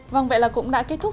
vâng vậy là cũng đã kết thúc